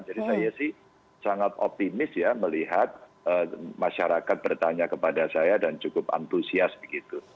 jadi saya sih sangat optimis ya melihat masyarakat bertanya kepada saya dan cukup antusias begitu